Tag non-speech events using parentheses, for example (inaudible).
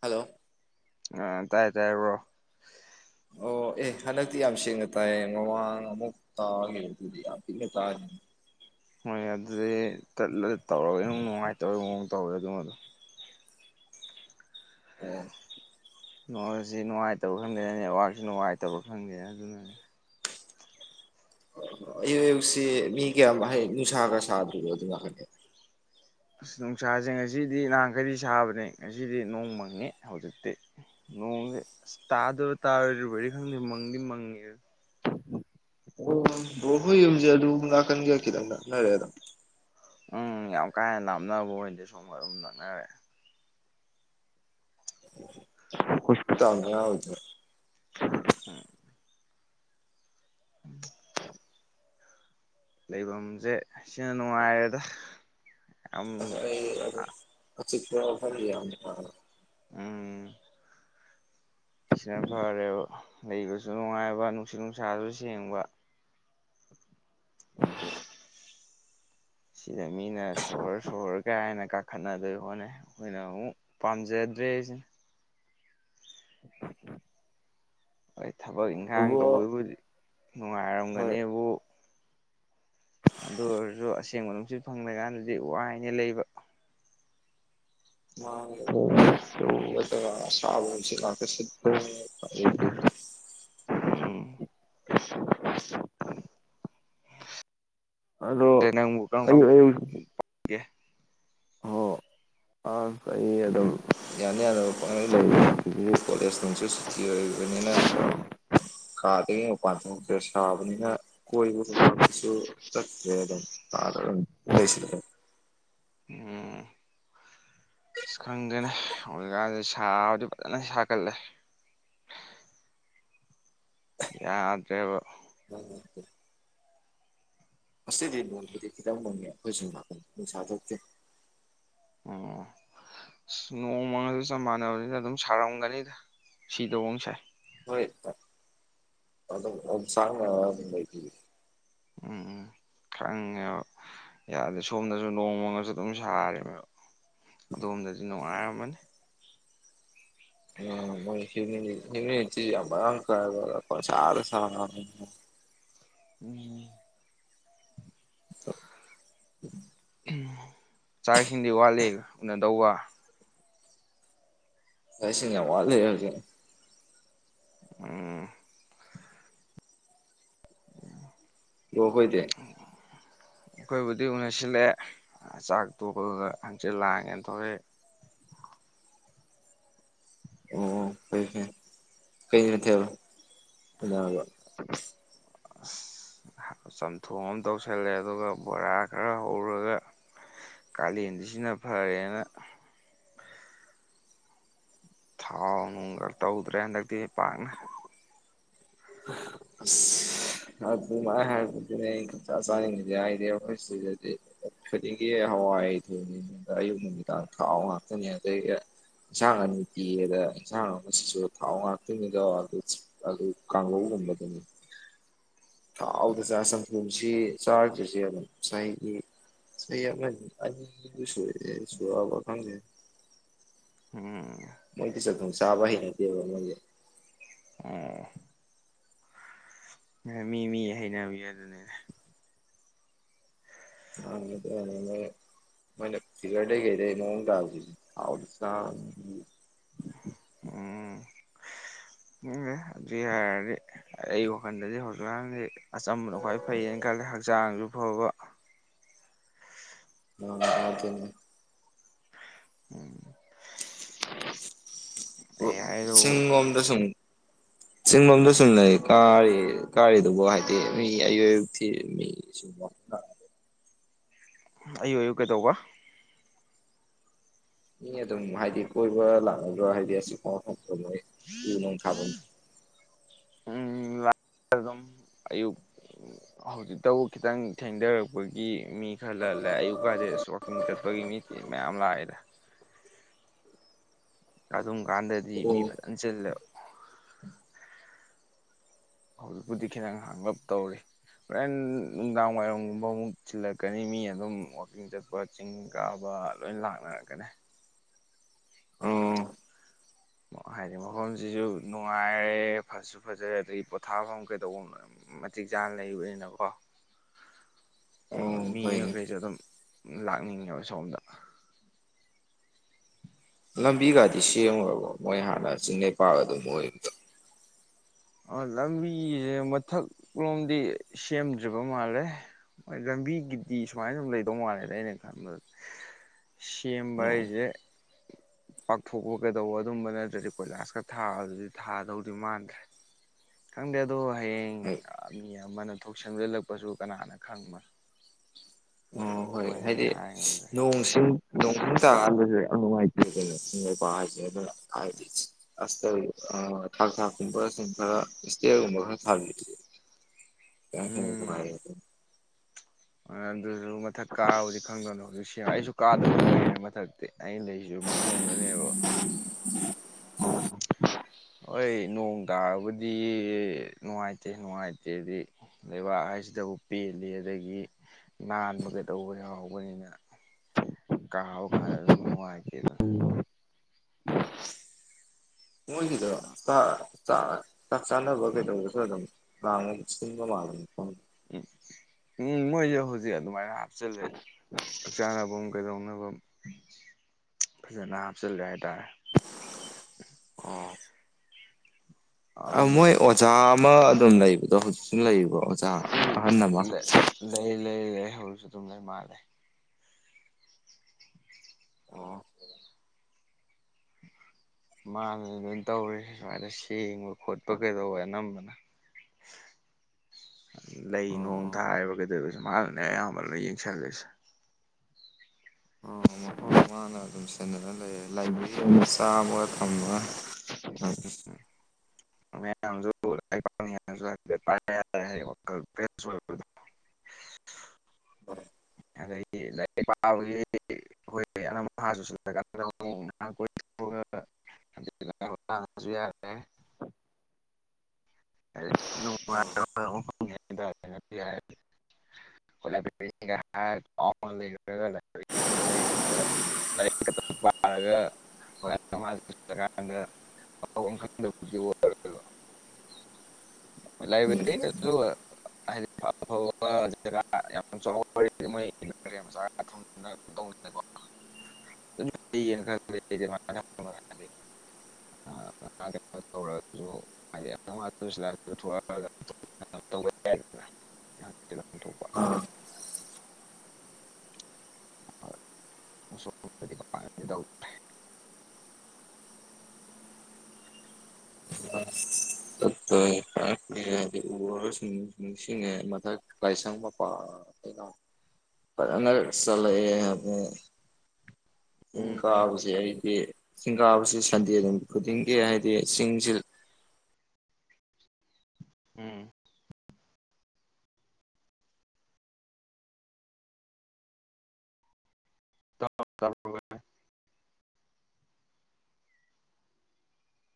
Hello ꯑ ꯇꯥꯏꯌꯦ ꯇꯥꯏꯌꯦꯔ꯭ꯔꯣ ꯑꯣ ꯑꯦ ꯍꯟꯗꯛꯇꯤ ꯌꯥꯝ ꯁꯦꯡꯅ ꯇꯥꯏꯌꯦ ꯃꯋꯥꯥꯡ ꯑꯃꯨꯛ ꯇꯥꯉꯦꯗꯤ ꯇꯥꯥꯡ ꯍꯣꯏ ꯑꯗꯨꯗꯤ ꯆꯠꯂ ꯇꯧꯔꯒ ꯑꯃ ꯅꯨꯡꯉꯥꯏꯇꯕꯒꯤ ꯃꯑꯣꯡ ꯇꯧꯋꯦ ꯑꯗꯨꯃꯗꯣ ꯎꯝ ꯅꯣꯁꯤ ꯅꯨꯡꯉꯥꯏꯇꯕ ꯈꯪꯗꯦ ꯅꯦꯠꯋꯥꯔꯛꯁꯤ ꯅꯨꯡꯉꯥꯏꯇꯕ ꯈꯪꯗꯦ ꯑꯗꯨꯅꯅꯦ ꯑꯌꯨꯛ ꯑꯌꯨꯛꯁꯤ ꯃꯤ ꯀꯌꯥꯝꯛꯩ ꯅꯨꯡꯁꯥꯒ ꯁꯥꯗ꯭ꯔꯤꯅꯣ ꯑꯗꯨ ꯉꯥꯛꯍꯟꯒꯦ ꯑꯁ ꯅꯨꯡꯁꯥꯁꯦ ꯉꯁꯤꯗꯤ ꯅꯍꯥꯟꯈꯔꯤ ꯁꯥꯕꯅꯦ ꯉꯁꯤꯗꯤ ꯅꯣꯡꯃꯪꯅꯤ ꯍꯧꯖꯤꯛꯇꯤ ꯅꯣꯡꯦ ꯑꯁ ꯇꯥꯗꯔꯣ ꯇꯥꯔꯣꯏꯗꯕꯗꯤ ꯈꯪꯗꯦ ꯃꯪꯗꯤ ꯃꯪꯉꯦ ꯑꯣ ꯑꯣ ꯍꯣꯏ ꯌꯨꯝꯁꯦ ꯑꯗꯨ ꯉꯥꯛꯀꯟꯒꯦ ꯈꯤꯇꯪ ꯅꯛꯅꯔꯦ ꯑꯗꯨꯝ ꯎꯝ ꯌꯥꯝ ꯀꯥ ꯍꯦꯟꯅ ꯂꯥꯞꯅꯕ ꯑꯣꯏꯅꯗꯤ ꯁꯣꯝ ꯑꯗꯨꯝ ꯅꯛꯅꯔꯦ ꯈꯨꯁ ꯆꯥꯎꯗ ꯎꯝ ꯎꯝ ꯂꯩꯐꯝꯁꯦ ꯁꯤꯅ ꯅꯨꯡꯉꯥꯏꯔꯦꯗ ꯌꯥꯝ ꯁ ꯑꯩ ꯆꯤꯄ꯭ꯔ ꯑꯣꯐꯔ ꯎꯝ ꯁꯤꯅ ꯐꯔꯦꯕ ꯂꯩꯕꯁꯨ ꯅꯨꯡꯉꯥꯏꯕ ꯅꯨꯡꯁꯤꯠ ꯅꯨꯡꯁꯥꯁꯨ ꯁꯦꯡꯕ (inaudible) ꯁꯤꯗ ꯃꯤꯅ ꯁꯣꯔ ꯁꯣꯔꯍꯣꯔ ꯀꯩ ꯍꯥꯏꯅ ꯀꯥꯈꯠꯅꯗꯣꯏ ꯍꯣꯠꯅꯩ ꯑꯩꯈꯣꯏꯅ ꯑꯃꯨꯛ ꯄꯥꯝꯖꯗ꯭ꯔꯦ ꯑꯩꯁꯦ ꯍꯣꯏ ꯊꯕꯛ ꯏꯪꯈꯥꯡ ꯕ꯭ꯔꯣ ꯇꯧꯕꯕꯨꯗꯤ ꯍꯣꯏ ꯅꯨꯡꯉꯥꯏꯔꯝꯒꯅꯦꯕꯨ ꯑꯗꯨ ꯑꯣꯏꯔꯁꯨ ꯑꯁꯦꯡꯕ ꯅꯨꯡꯁꯤꯠ ꯐꯪꯗꯀꯥꯟꯗꯗꯤ ꯋꯥꯏꯅꯦ ꯂꯩꯕ ꯑ ꯁꯥꯕꯁꯤ (unintelligible) ꯎꯝ ꯑꯗꯣ ꯅꯪꯪ ꯑꯌꯨꯛ ꯑꯌꯨꯛ (unintelligible) ꯑ ꯀꯩ ꯑꯗꯨꯝ ꯌꯥꯅꯤ ꯑꯔꯣ ꯄ ꯂꯩ ꯀꯂꯦꯁ ꯂ ꯁꯤꯇꯤ ꯑꯣꯏꯅꯤꯅ ꯈꯥꯗ ꯄ ꯐ ꯁꯥꯕꯅꯤꯅ ꯀꯣꯏꯕꯨꯁꯨ (inaudible) ꯑ ꯈꯪꯗꯦꯅ ꯍꯧꯖꯤꯛꯀꯥꯟꯁꯤꯦ ꯁꯥꯕꯨꯗꯤ ꯐꯖꯅ ꯁꯥꯒꯠꯂꯦ ꯌꯥꯗꯕ (inaudible) ꯑꯁꯤꯗꯤ ꯅꯣꯡꯕꯨꯗꯤ ꯈꯤꯇꯪ ꯅꯣꯡꯉꯦ ꯑꯩꯈꯣꯏꯁꯨ ꯅꯨꯡꯁꯥ ꯊꯣꯛꯇꯦ ꯑꯣꯝ ꯑꯁ ꯅꯣꯡꯃꯒ ꯑꯗꯨ ꯆꯞ ꯃꯥꯟꯅꯕꯅꯤꯅ ꯑꯗꯨꯝ ꯁꯥꯔꯝꯒꯅꯤꯗ ꯁꯤꯗꯑꯣꯡꯁꯦ ꯍꯣꯏ ꯑ ꯁꯥꯡ ꯑꯗꯨꯩ ꯎꯝ ꯈꯉꯣ ꯌꯥꯗꯦ ꯁꯣꯝꯗꯁꯨ ꯅꯣꯡꯃꯒꯁꯨ ꯑꯗꯨꯝ ꯁꯥꯔꯦ ꯑꯗꯣꯝꯗꯗꯤ ꯅꯨꯡꯉꯥꯏꯔꯝꯃꯅꯤ ꯑ ꯃ ꯍ ꯍꯤꯡ ꯌꯥꯝ ꯀ ꯆꯔ (inaudible) ꯆꯥꯛꯁꯤꯡꯗꯤ ꯋꯥꯠꯂꯤ ꯎꯅꯗꯧꯕ ꯑꯁꯤꯡ ꯌꯥꯝ ꯋꯥꯠꯂꯔꯒꯦ ꯎꯝ ꯌꯈꯣꯏꯗ ꯑꯩꯈꯣꯏꯕꯨꯗꯤ ꯎꯅꯁꯤꯜꯂꯛꯑꯦ ꯆꯥꯛ ꯇꯣꯛꯄꯒ ꯍꯪꯆꯤꯠ ꯂꯥꯡꯉꯦꯅ ꯊꯧꯔꯛꯏ ꯑꯣ ꯐꯩ ꯐꯩ ꯀꯩ ꯅꯠꯇꯦꯕ ꯑꯕ ꯑꯁ ꯆꯝꯊꯣꯡ ꯑꯃ ꯇꯧꯁꯜꯂꯦ ꯑꯗꯨꯒ ꯕꯣꯔꯥ ꯈꯔ ꯍꯧꯔꯒ ꯀꯥꯂꯦꯟꯁꯤꯁꯤꯅ ꯐꯔꯦꯅ ꯊꯥꯎ ꯅꯨꯡꯒ ꯇꯧꯗ꯭ꯔꯦ ꯍꯟꯗꯛꯇꯤ ꯄꯥꯛꯅ ꯑ ꯃꯥꯏ ꯍꯥꯏꯕꯗꯨꯅꯦ (unintelligible) ꯈꯨꯗꯤꯡꯒꯤ ꯍꯋꯥꯏ ꯊꯣꯏ ꯑꯌꯨꯛ ꯅꯨꯃꯤꯗꯥꯡ ꯊꯥꯎ ꯉꯥꯛꯇꯅꯦ ꯑꯗꯒꯤ--꯫ ꯏꯟꯁꯥꯡ ꯑꯅꯤ ꯄꯤꯕꯗ ꯏꯟꯁꯥꯡꯁꯤꯁꯨ ꯊꯥꯎ ꯉꯥꯛꯇꯣꯏꯅꯤꯗ ꯑꯗꯨ ꯀꯥꯡꯧꯕꯗꯅꯤ ꯊꯥꯎꯗ ꯆ ꯁꯪꯒꯝꯁꯤ ꯆꯥꯔꯗ꯭ꯔꯔꯤꯁꯦ ꯑꯗꯨꯝ ꯉꯁꯥꯏꯒꯤ ꯁ ꯌꯥꯝ ꯑꯁꯨ ꯁꯕ ꯊꯪꯖꯦ ꯎꯝ ꯃꯣꯏꯗꯤ ꯆꯥꯛꯊꯣꯡ ꯆꯥꯕ ꯍꯩꯅꯗꯦꯕ ꯃꯣꯏꯁꯦ ꯑꯦ ꯃꯤ ꯃꯤ ꯍꯩꯅꯕꯤ ꯑꯗꯨꯅꯤꯅꯦ ꯑꯅꯦ ꯃꯣꯏꯅꯦ ꯐꯤꯒꯔꯒꯦꯗꯦ ꯃꯣꯡꯡꯒꯥꯎꯗ ꯎꯝ ꯎꯝ ꯍꯥꯏꯗꯤ ꯑꯩ ꯋꯥꯈꯜꯗꯗꯤ ꯍꯧꯖꯤꯛꯀꯥꯟꯁꯦ ꯑꯆꯝꯕꯅ ꯈ꯭ꯋꯥꯏ ꯐꯩꯌꯦꯅ ꯈꯜꯂꯦ ꯍꯛꯆꯥꯡꯁꯨ ꯐꯕ ꯎ ꯎꯝ ꯑꯣ ꯑꯩ ꯍꯥꯏꯗꯨꯕꯨ ꯁꯤꯁꯤꯡꯒꯝꯗ ꯁꯤ ꯆꯤꯡꯂꯣꯝꯗ ꯁꯨꯝ ꯂꯩ ꯀꯥꯔꯤ ꯀꯥꯔꯤꯗꯨꯕꯨ ꯍꯥꯏꯗꯤ ꯃꯤ ꯑꯌꯨꯛ ꯑꯌꯨꯛ ꯊꯤ ꯃꯤ ꯁꯨꯝ ꯑꯌꯨ ꯑꯣꯏꯌꯨ ꯀꯩꯗꯧꯕ ꯃꯤ ꯑꯗꯨꯝ ꯍꯥꯏꯗꯤ ꯀꯣꯏꯕ ꯂꯥꯛꯅꯕ꯭ꯔꯥ ꯍꯥꯏꯗꯤ ꯑꯁꯤ ꯃꯣꯏ ꯎ ꯅꯨꯡ ꯊꯥꯕ ꯎ ꯑꯗꯨꯝ ꯑꯌꯨꯛ ꯍꯧꯖꯤꯛꯇꯕꯨ ꯈꯤꯇꯪ ꯊꯦꯡꯗꯔꯛꯄꯒꯤ ꯃꯤ ꯈꯔ ꯂꯜꯂꯦ ꯑꯌꯨꯛ ꯀꯗꯩ ꯑꯁ ꯋꯥꯛꯀꯤꯡ ꯆꯠꯄꯒꯤ ꯃꯤꯁꯤꯦ ꯃꯌꯥꯝ ꯂꯥꯛꯑꯦꯗ ꯑꯗꯨꯝ ꯀꯥꯟꯗꯗꯤ ꯃꯤ ꯑꯣ ꯐꯖꯅ ꯆꯜꯂꯦꯕ ꯍꯧꯖꯤꯛꯄꯨꯗꯤ ꯈꯤꯇꯪ ꯍꯥꯡꯂꯞ ꯇꯧꯔꯤ ꯍꯣꯔꯦꯟ ꯅꯨꯡꯗꯥꯡ ꯋꯥꯏꯔꯝꯒꯨꯝꯕ ꯑꯃꯨꯛ ꯁꯤꯤꯜꯂꯛꯀꯅꯤ ꯃꯤ ꯑꯗꯨꯝ ꯋꯥꯛꯀꯤꯡ ꯆꯠꯄ ꯆꯤꯡ ꯀꯥꯕ ꯂꯣꯏ ꯂꯥꯛꯅꯔꯛꯀꯅꯤ ꯑꯣ ꯍꯥꯏꯗꯤ ꯃꯐꯝꯁꯤꯁꯨ ꯅꯨꯡꯉꯥꯏꯔꯦ ꯐꯁꯨ ꯐꯖꯔꯦ ꯑꯗꯒꯤ ꯄꯣꯊꯥꯐꯝ ꯀꯩꯗꯧꯕꯅꯣꯏ ꯃꯇꯤꯛ ꯆꯥꯅ ꯂꯩꯕꯅꯤꯅꯀꯣ (unintelligible) ꯃꯤ ꯍꯣꯏꯅꯦ ꯃꯈꯈꯩꯁꯨꯦ ꯑꯗꯨꯝ ꯂꯥꯛꯅꯤꯡꯉꯦꯕ ꯁꯣꯝꯗ ꯂꯝꯕꯤꯒꯗꯤ ꯁꯦꯝꯉꯨꯔꯕꯣ ꯃꯣꯏ ꯍꯥꯟꯅ ꯆꯤꯡꯅꯦꯩꯄꯥꯒ ꯑꯗꯨꯝ ꯑꯣꯏꯕꯗꯣ ꯑ ꯂꯝꯕꯤꯁꯦ ꯃꯊꯛ ꯂꯣꯝꯗꯤ ꯁꯦꯝꯗ꯭ꯔꯤꯕ ꯃꯥꯜꯂꯦ ꯍꯣꯏ ꯂꯝꯕꯤꯒꯤꯗꯤ ꯁꯨꯃꯥꯏꯅ ꯁꯨꯝ ꯂꯩꯗꯧ ꯃꯥꯜꯂꯦꯗ ꯑꯩꯅ ꯈꯟꯕꯗ ꯁꯦꯝꯦꯝꯕ ꯑꯣ ꯑꯩꯖꯦ ꯄꯥꯛꯊꯣꯛꯄ ꯀꯩꯗꯧꯕ ꯑꯗꯨꯝꯕ ꯅꯠꯇ꯭ꯔꯗꯤ ꯀꯣꯏꯂꯥꯁꯀ ꯊꯥꯗꯨꯗꯤ ꯊꯥꯗꯧꯗꯤ ꯃꯥꯟꯗ꯭ꯔꯦ ꯈꯪꯗꯦ ꯑꯗꯣ ꯍꯌꯦꯡ ꯍꯣꯏ ꯃꯤ ꯑꯃꯅ ꯊꯣꯛꯁꯦꯝꯖꯤꯜꯂꯛꯄꯁꯨ ꯀꯅꯥꯅ ꯈꯪꯕ ꯑꯣ ꯍꯣꯏ ꯑꯩꯈꯣꯏꯅꯗꯤ ꯍꯥꯏꯗꯤ ꯍꯥꯏ ꯉꯝꯗ꯭ꯔꯦ ꯅꯣꯡꯁꯤꯡ ꯅꯣꯡ ꯈꯪ ꯇꯥꯔꯀꯥꯟꯗꯁꯨꯦ ꯌꯥꯝ ꯅꯨꯡꯉꯥꯏꯇꯦ ꯀꯩꯅꯣ ꯏꯄꯥꯛ ꯍꯥꯏꯁꯦ ꯑꯗꯨꯅ ꯍꯥꯏꯗꯤ ꯑꯁꯇ ꯊꯥꯛ ꯊꯥꯛꯀꯨꯝꯕꯁꯤꯡ ꯈꯔ ꯏꯁꯇꯤꯌꯔꯒꯨꯝꯕ ꯈꯔ ꯊꯕꯤ--꯫ (unintelligible) ꯑ ꯑꯗꯨꯁꯨ ꯃꯊꯛ ꯀꯥ (inaudible) ꯈꯪꯗꯦꯅꯦ ꯍꯧꯖꯤꯛ ꯁꯦ ꯑꯩꯁꯨ ꯀꯥꯗꯕ ꯀꯨꯏꯔꯦꯅꯦ ꯃꯥꯊꯛꯇꯤ ꯑꯩ ꯂꯩꯔꯤꯁꯤꯁꯨ ꯃꯈꯣꯡꯗꯅꯦꯕ ꯍꯣꯏ ꯅꯣꯡ ꯇꯥꯔꯕꯨꯗꯤ ꯅꯨꯡꯉꯥꯏꯇꯦ ꯅꯨꯡꯉꯥꯏꯇꯦꯗꯤ ꯂꯩꯕꯥꯛ ꯍꯥꯏꯁꯤꯗꯕꯨ ꯄꯦꯜꯂꯤ ꯑꯗꯒꯤ ꯅꯥꯟꯕ ꯀꯩꯗꯧꯕ ꯌꯥꯎꯕꯅꯤꯅ ꯫ ꯀꯥꯥꯡꯍꯧꯒ ꯍꯥꯏꯕꯗꯣ ꯑꯗꯨꯝ ꯅꯨꯡꯉꯥꯏꯇꯦꯗꯅ ꯃꯣꯢꯒꯤꯗ ꯑꯥ ꯆꯥ ꯆꯥ ꯆꯥꯛ ꯆꯥꯅꯕ ꯀꯩꯗꯧꯕꯗꯁꯨ ꯑꯗꯨꯝ ꯄ꯭ꯥꯂꯟ ꯁꯤꯟꯕ ꯃꯥꯜꯂꯅꯤ ꯈ ꯎꯝ ꯎꯝ ꯃꯣꯏꯁꯦ ꯍꯧꯖꯤꯛ ꯑꯗꯨꯃꯥꯏꯅ ꯍꯥꯞꯆꯤꯜꯂꯦ ꯆꯥꯛ ꯆꯥꯅꯐꯝ ꯀꯩꯗꯧꯅꯕ ꯐꯖꯅ ꯍꯥꯞꯆꯜꯂꯦ ꯍꯥꯏ ꯇꯥꯔꯦ ꯑꯣ ꯑꯗꯨꯝ ꯃꯣꯏ ꯑꯣꯖꯥ ꯑꯃ ꯑꯗꯨꯝ ꯂꯩꯕꯗꯣ ꯍꯧꯖꯤꯛꯁꯨ ꯂꯩꯔꯤꯕ ꯑꯣꯖꯥ ꯑꯍꯟ ꯑꯃ ꯂꯩ ꯂꯩ ꯂꯩ ꯍꯧꯖꯤꯛꯁꯨꯗꯝ ꯂꯩ ꯃꯥꯟꯂꯦ ꯑꯣ ꯃꯥꯅꯦ ꯂꯣꯏꯅ ꯇꯧꯔꯤ ꯁꯨꯃꯥꯏꯅ ꯁꯦꯡꯕ ꯈꯣꯠꯄ ꯀꯩꯗꯧꯕ ꯑꯅꯝꯕꯅ (unintelligible) ꯂꯩ ꯅꯣꯡ ꯑꯣ ꯊꯥꯔꯤꯕ ꯀꯩꯗꯧꯔꯤꯕ ꯃꯥꯅꯅꯦ ꯑꯌꯥꯝꯕꯅ ꯌꯦꯡꯁꯟꯂꯤꯁꯦ ꯎ ꯃꯐꯝ ꯑꯃꯥ ꯐꯥꯅ ꯑꯗꯨꯝ ꯂꯣꯏꯁꯤꯟꯗꯅꯥ ꯂꯩꯌ ꯂꯥꯏꯕꯔ꯭ꯤ ꯃꯆꯥ ꯑꯃ ꯊꯝꯃꯒꯥ꯫ ꯍꯣꯢ ꯃꯥꯌꯝ ꯁꯨ ꯂꯥꯢꯔꯤꯛ ꯍꯣꯢ ꯑꯗꯒꯤ ꯂꯥꯢꯔꯤꯛ ꯄꯥꯕꯒꯤ ꯍꯣꯏ (unintelligible) (unintelligible) (unintelligible) (inaudible) (unintelligible) ꯛꯇ ꯂꯩꯔꯒ ꯂꯥꯏꯔꯤꯛ ꯈꯛꯇ ꯄꯥꯔꯒ--꯫ ꯍꯣꯏ (unintelligible) (inaudible) ꯂꯥꯏꯕ꯭ꯔꯦꯔꯤꯗꯁꯨ ꯍꯥꯏꯗꯤꯀꯣ ꯃꯣꯏ (inaudible) ꯇꯧꯅꯀꯣ ꯑꯩꯅ ꯈꯜꯂꯦ ꯑꯗꯨꯃꯥꯏꯅ ꯍꯥꯏꯗꯤ ꯀꯩꯅꯣ ꯇꯧꯔꯒꯁꯨ (unintelligible) ꯇꯧꯕ (unintelligible) ꯑ (unintelligible) (inaudible) ꯂꯥꯏꯁꯪꯄꯄꯥ ꯑꯩꯅꯥ ꯐꯖꯅꯔꯛ ꯆꯠꯂꯛꯑ‌ꯦ (unintelligible) ꯆꯤꯡ ꯎꯝ ꯀꯥꯕꯁꯤꯦ ꯑꯩꯗꯤ ꯆꯤꯡ ꯀꯥꯕꯁꯤ ꯁꯟꯗꯦ ꯅꯨꯃꯤꯠ ꯈꯨꯗꯤꯡꯒꯤ ꯍꯥꯏꯗꯤ ꯆꯤꯡꯁꯤ ꯎꯝ ꯇꯥꯕꯔꯦ ꯇꯥꯕꯔꯦ ꯚꯥꯢ